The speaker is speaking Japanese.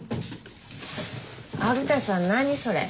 虻田さん何それ？